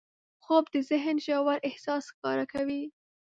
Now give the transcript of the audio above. خوب د ذهن ژور احساس ښکاره کوي